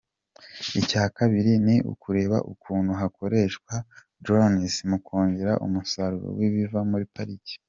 Icya kabiri ni ukureba ukuntu hakoreshwa drones mu kongera umusasuro w’ibiva muri pariki.